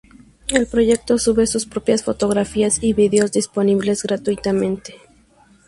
El proyecto sube sus propias fotografías y videos, disponibles gratuitamente.